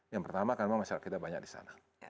yang pertama karena memang masyarakat kita banyak di sana